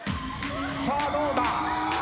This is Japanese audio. さあどうだ？